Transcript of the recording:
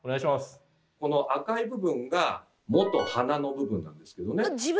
この赤い部分がもと鼻の部分なんですけどね。